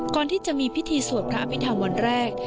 ก่อนที่จะมีพิธีสวดพระอภิษฐรรมวันแรก